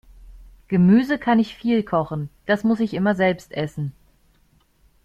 Gemüse kann ich viel kochen, das muss ich immer selbst essen.